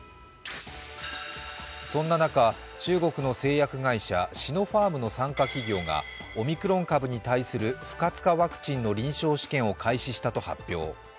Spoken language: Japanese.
そんな中、中国の製薬会社シノファームの傘下企業がオミクロン株に対する不活化ワクチンの臨床試験を開始したと発表。